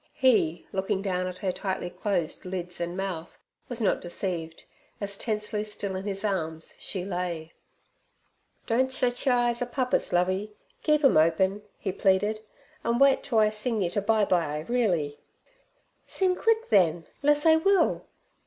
He, looking down at her tightly closed lids and mouth, was not deceived, as tensely still in his arms she lay. 'Don't shet yer eyes a puppus, Lovey. Keep 'em open' he pleaded, 'an' wait to I sing yer ter bye bye reely.' 'Sing quick, then, less I will.'